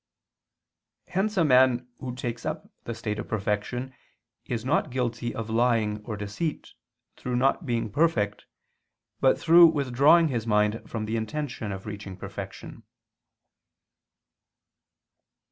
Hence a man who takes up the state of perfection is not guilty of lying or deceit through not being perfect, but through withdrawing his mind from the intention of reaching perfection.